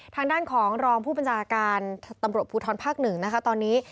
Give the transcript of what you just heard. ทางด้านของรองผู้บัญชาการตำรวจภูทรภาค๑นะคะตอนนี้